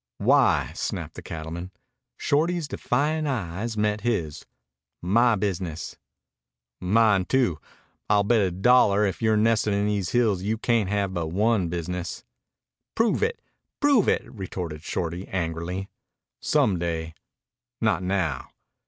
"Why?" snapped the cattleman. Shorty's defiant eyes met his. "My business." "Mine, too, I'll bet a dollar. If you're nestin' in these hills you cayn't have but one business." "Prove it! Prove it!" retorted Shorty angrily. "Some day not now."